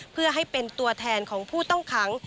เพื่อให้เป็นตัวแทนของผู้ต้องขัง